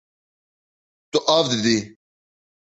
Tu av didî.